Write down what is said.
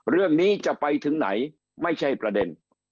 เรื่องนี้จะไปถึงไหนไม่ใช่ประเด็น